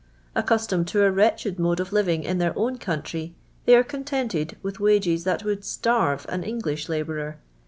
Accustomed to a wxetcbed mode of living in their own country, they are con tented with wages that would starve an Bn^ish labourer.